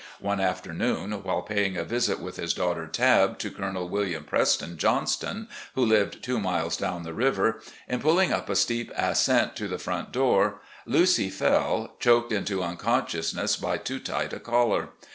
One afternoon, while paying a visit with his daughter, Tabb, to Colonel William Preston Johnston, who lived two miles down the river, in pulling up a steep ascent to the front door, "Lucy" fell, choked into unconsciousness by too tight a collar.